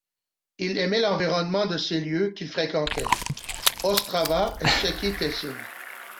Il aimait l'environnement de ces lieux qu'il fréquentait, Ostrava et Český Těšín.